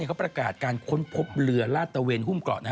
เขาประกาศการค้นพบเหลือราชเตอร์เวนฮุ่มเกราะห์